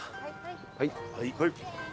はい。